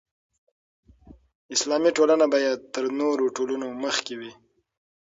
اسلامي ټولنه باید تر نورو ټولنو مخکې وي.